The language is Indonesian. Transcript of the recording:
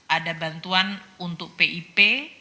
ada bantuan untuk pip